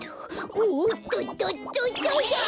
おっとっとっとっとああ。